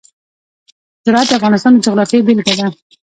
زراعت د افغانستان د جغرافیې بېلګه ده.